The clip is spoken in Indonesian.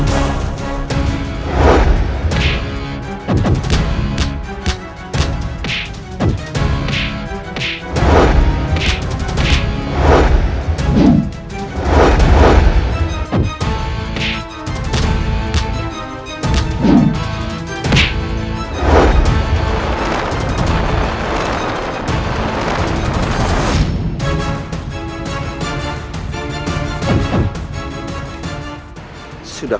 kau akan menyerah